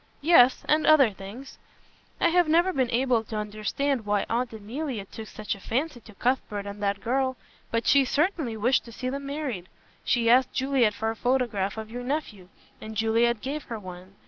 "Yes, and other things. I have never been able to understand why Aunt Emilia took such a fancy to Cuthbert and that girl. But she certainly wished to see them married. She asked Juliet for a photograph of your nephew, and Juliet gave her one.